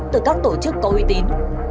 từ các tổ chức có uy tín